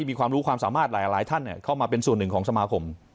มีความรู้ความสามารถหลายท่านเข้ามาเป็นส่วนหนึ่งของสมาคม